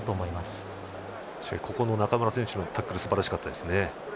ただ中村選手のタックルはすばらしかったです。